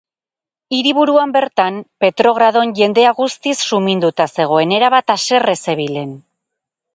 Hiriburuan bertan, Petrogradon, jendea guztiz suminduta zegoen, erabat haserre zebilen.